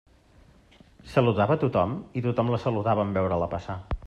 Saludava a tothom i tothom la saludava en veure-la passar.